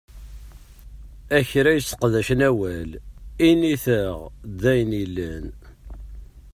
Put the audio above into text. A kra yesseqdacen awal, init-aɣ-d ayen yellan!